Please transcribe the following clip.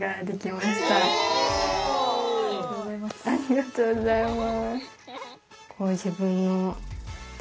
ありがとうございます。